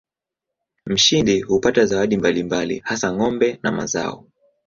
Mshindi hupata zawadi mbalimbali hasa ng'ombe na mazao.